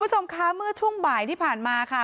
คุณผู้ชมคะเมื่อช่วงบ่ายที่ผ่านมาค่ะ